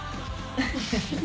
フフフ。